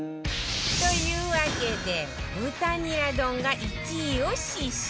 というわけで豚ニラ丼が１位を死守